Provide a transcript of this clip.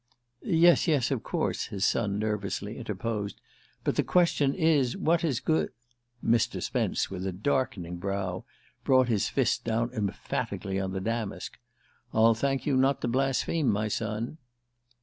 "Yes, yes, of course," his son nervously interposed; "but the question is, what is good " Mr. Spence, with a darkening brow, brought his fist down emphatically on the damask. "I'll thank you not to blaspheme, my son!"